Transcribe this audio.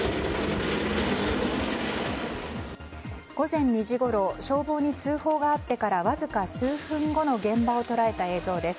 午前２時ごろ消防に通報があってからわずか数分後の現場を捉えた映像です。